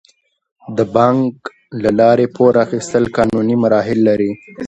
د بانک له لارې پور اخیستل قانوني مراحل لري.